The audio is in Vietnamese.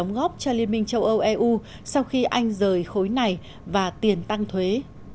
đóng góp cho liên minh châu âu eu sau khi anh rời khối này và tiền tăng thuế